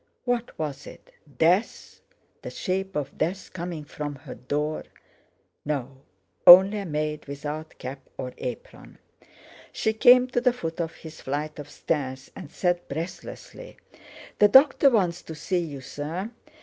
What was it? Death? The shape of Death coming from her door? No! only a maid without cap or apron. She came to the foot of his flight of stairs and said breathlessly: "The doctor wants to see you, sir."